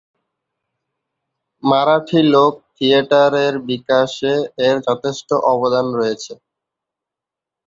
মারাঠী লোক-থিয়েটারের বিকাশে এর যথেষ্ট অবদান রয়েছে।